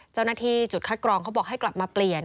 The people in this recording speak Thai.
เจ้าหน้าที่จุดคัดกรองเขาบอกให้กลับมาเปลี่ยน